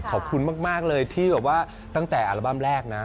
ขอบคุณมากเลยที่แบบว่าตั้งแต่อัลบั้มแรกนะ